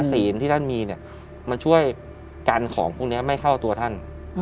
ศีลที่ท่านมีเนี่ยมันช่วยกันของพวกนี้ไม่เข้าตัวท่าน